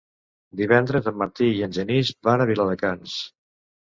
Divendres en Martí i en Genís van a Viladecans.